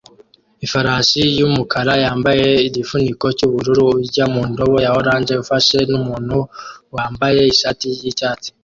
Ifarashi yumukara yambaye igifuniko cyubururu urya mu ndobo ya orange ufashwe numuntu wambaye ishati yicyatsi